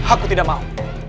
aku tidak mau